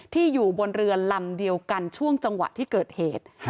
อยู่บนเรือลำเดียวกันช่วงจังหวะที่เกิดเหตุ